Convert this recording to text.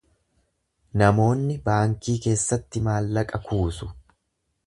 Namoonni baankii keessatti maallaqa kuusu.